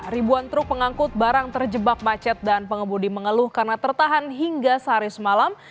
ribuan truk pengangkut barang terjebak macet dan pengemudi mengeluh karena tertahan hingga sehari semalam